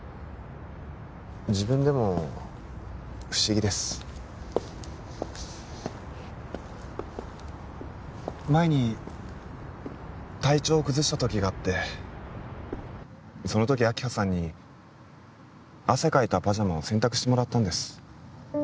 自分でも不思議です前に体調を崩した時があってその時明葉さんに汗かいたパジャマを洗濯してもらったんです